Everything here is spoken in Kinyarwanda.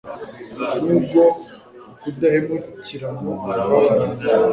n'ubwo ukudahemukirana kwabaranze